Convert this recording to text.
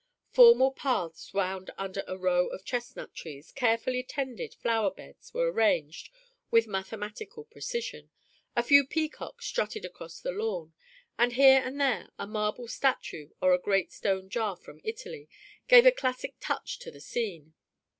Formal paths wound under a row of chestnut trees, carefully tended flower beds were arranged with mathematical precision, a few peacocks strutted across the lawn, and here and there a marble statue or a great stone jar from Italy gave a classic touch to the scene.